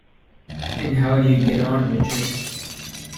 And how do you get on, Richard?